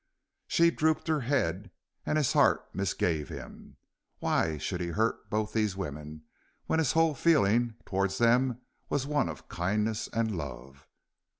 She drooped her head and his heart misgave him. Why should he hurt both these women when his whole feeling towards them was one of kindness and love?